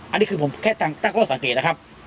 อันนี้คือผมแค่ตั้งข้อสังเกตนะครับ